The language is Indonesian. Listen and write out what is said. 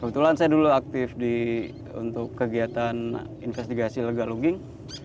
kebetulan saya dulu aktif untuk kegiatan investigasi lega luging